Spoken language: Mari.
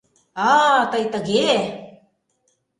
— А-а-а, тый тыге!